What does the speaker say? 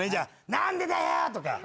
何でだよ！とか。